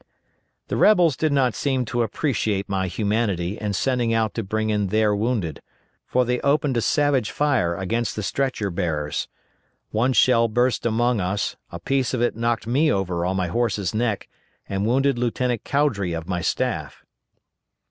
The rebels did not seem to appreciate my humanity in sending out to bring in their wounded, for they opened a savage fire against the stretcher bearers. One shell burst among us, a piece of it knocked me over on my horse's neck, and wounded Lieutenant Cowdry of my staff.